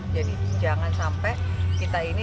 jadi jangan sampai kita ini